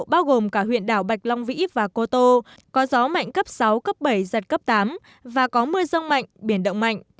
bao gồm cả huyện đảo bạch long vĩ và cô tô có gió mạnh cấp sáu cấp bảy giật cấp tám và có mưa rông mạnh biển động mạnh